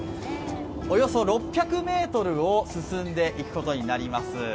およそ６００ｍを進んでいくことになります。